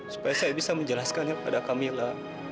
supaya saya bisa menjelaskannya kepada kamila